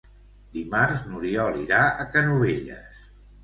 Dimarts n'Oriol irà a Canovelles.